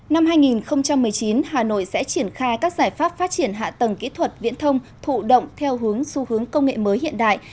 năm hai nghìn một mươi chín hà nội sẽ triển khai các giải pháp phát triển hạ tầng kỹ thuật viễn thông thụ động theo hướng xu hướng công nghệ mới hiện đại